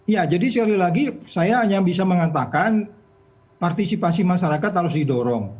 ya jadi sekali lagi saya hanya bisa mengatakan partisipasi masyarakat harus didorong